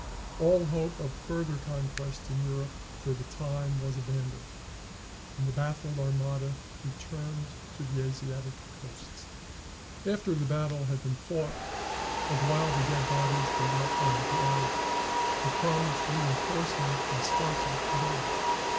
All hope of further conquest in Europe for the time was abandoned, and the baffled armada returned to the Asiatic coasts. After the battle had been fought, but while the dead bodies were yet on the ground, the promised reënforcement from Sparta arrived.